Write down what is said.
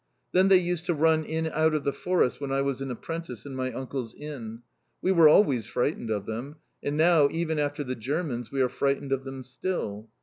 "Then they used to run in out of the forest when I was an apprentice in my uncle's Inn. We were always frightened of them. And now, even after the Germans, we are frightened of them still."